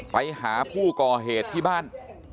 ไปหาผู้ก่อเหตุที่บ้าน